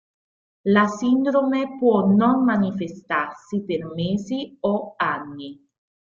La sindrome può non manifestarsi per mesi o anni.